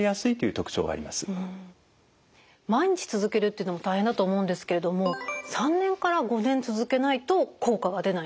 毎日続けるっていうのも大変だと思うんですけれども３年から５年続けないと効果は出ないんですか？